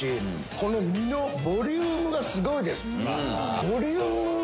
この身のボリュームがすごいです。